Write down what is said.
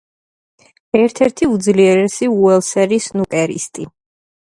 ერთ-ერთი უძლიერესი უელსელი სნუკერისტი.